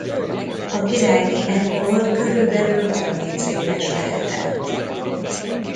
A királyné ekkor körülbelül harmincéves lehetett.